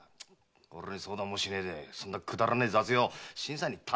俺に相談もしねえでそんなくだらねえ雑用新さんに頼みやがって！